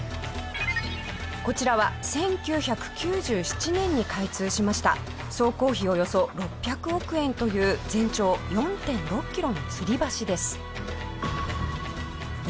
こちらは１９９７年に開通しました総工費およそ６００億円という全長４．６キロの吊り橋です。